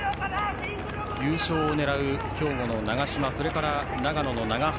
優勝を狙う兵庫の長嶋それから長野の永原。